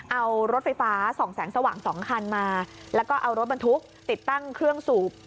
เอารถไฟฟ้าส่องแสงสว่าง๒คันมาแล้วก็เอารถบรรทุกติดตั้งเครื่องสูบ